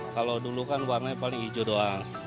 kalau dulu kan warnanya paling hijau doang